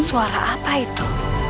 suara apa itu